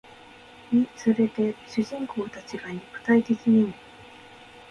につれて主人公たちが肉体的にも